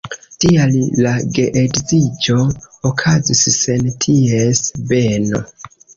Tial la geedziĝo okazis sen ties beno.